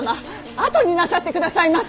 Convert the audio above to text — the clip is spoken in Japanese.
あとになさって下さいませ！